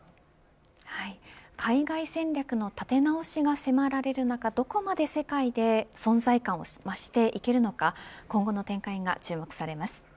海外戦略の立て直しが迫られる中、どこまで世界で存在感を増していけるのか今後の展開が注目されます。